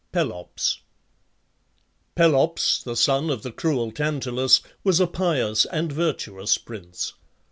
PELOPS. Pelops, the son of the cruel Tantalus, was a pious and virtuous prince.